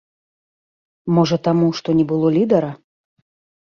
Можа таму, што не было лідэра?